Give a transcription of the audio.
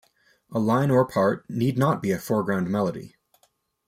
A line or part need not be a foreground melody.